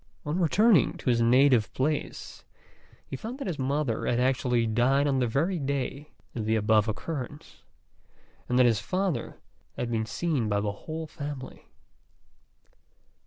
On returning to his native place he found that his mother had actually died on the very day of the above occurrence, and that his father had been seen by the whole family.